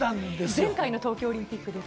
前回の東京オリンピックです